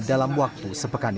dalam waktu sepekan ini